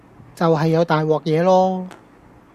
就係有大鑊嘢囉